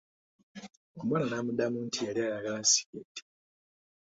Omuwala n'amuddamu nti yali ayagala sikeeti.